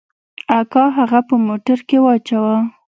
اکا هغه په موټر کښې واچاوه.